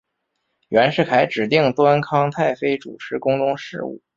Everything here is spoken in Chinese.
袁世凯指定端康太妃主持宫中事务。